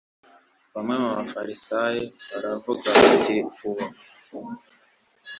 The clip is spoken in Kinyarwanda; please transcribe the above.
bamwe mu bafarisayo baravuga bati uwo